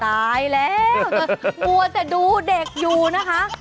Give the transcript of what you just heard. ตายแล้วมัวแต่ดูเด็กอยู่นะคะ